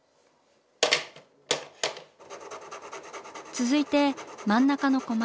続いて真ん中のコマ。